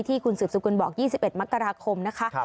ที่คุณสืบสกุลบอก๒๑มกราคมนะคะ